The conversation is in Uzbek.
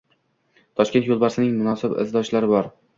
“Toshkent yo‘lbarsi”ning munosib izdoshlari bor